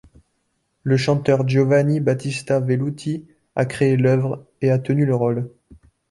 Le chanteur Giovanni Battista Velluti a créé l'œuvre, et a tenu le rôle.